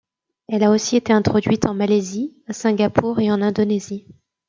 Elle a aussi été introduite en Malaisie, à Singapour et en Indonésie.